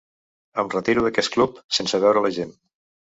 Em retiro d’aquest club sense veure la gent.